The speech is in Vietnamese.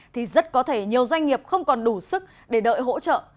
thì rất có thể nhiều doanh nghiệp không còn đủ sức để đợi hỗ trợ